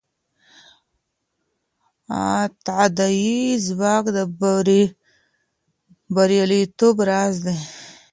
تداعي ځواک د بریالیتوب راز دی.